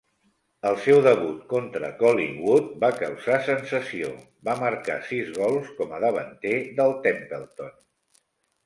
El seu debut contra Collingwood va causar sensació, va marcar sis gols com a davanter del Templeton.